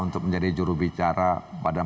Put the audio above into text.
untuk menjadi jurubicara badan